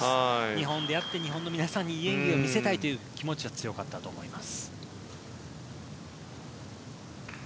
日本でやって日本の皆さんにいい演技を見せたいという気持ちは強かったと思います。